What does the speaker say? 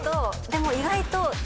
でも意外と。